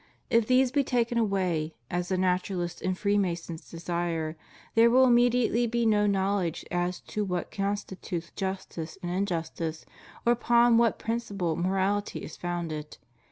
If these be taken away, as the Naturalists and Freemasons desire, there wdll inunediately be no knowledge as to what constitutes justice and injustice, or upon what principle moraUty 15 founded.